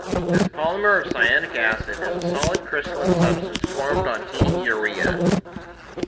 This polymer of cyanic acid is a solid crystalline substance formed on heating urea.